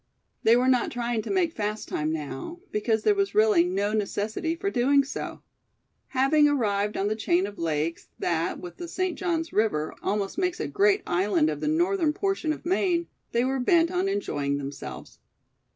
They were not trying to make fast time now, because there was really no necessity for doing so. Having arrived on the chain of lakes that, with the St. Johns river, almost makes a great island of the northern portion of Maine, they were bent on enjoying themselves.